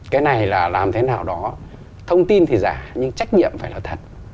cái này là làm thế nào đó thông tin thì giả nhưng trách nhiệm phải là thật